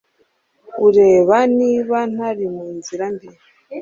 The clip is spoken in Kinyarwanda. urebe niba ntari mu nzira mbi